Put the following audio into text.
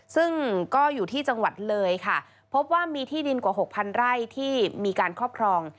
ซึ่งก็อยู่ที่จังหวัดเลยค่ะพบว่ามีที่ดินกว่าหกพันไร่ที่มีการครอบครอง